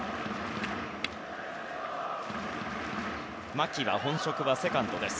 牧は本職はセカンドです。